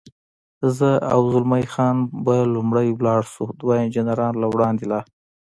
زه او زلمی خان به لومړی ولاړ شو، دوه انجنیران له وړاندې لا.